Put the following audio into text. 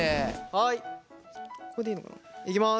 はいいきます。